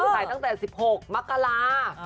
จ่ายตั้งแต่๑๖มากรา